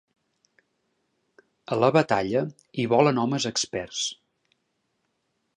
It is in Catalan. A la batalla hi volen homes experts.